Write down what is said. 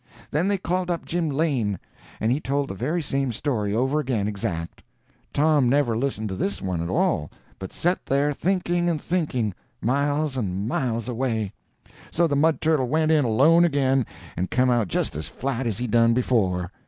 Then they called up Jim Lane, and he told the very same story over again, exact. Tom never listened to this one at all, but set there thinking and thinking, miles and miles away. So the mud turtle went in alone again and come out just as flat as he done before.